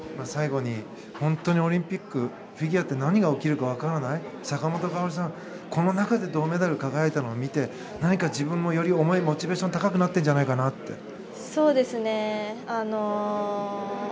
最後に本当にオリンピックフィギュアって何が起きるか分からない坂本花織さん、この中で銅メダルに輝いたのを見て何か自分もよりモチベーションが高くなっているんじゃないかなって。